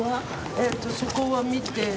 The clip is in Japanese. えっとそこは見て。